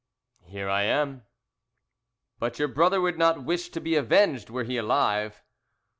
"Here I am." "But your brother would not wish to be avenged were he alive."